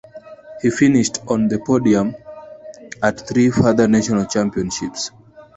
He finished on the podium at three further National Championships.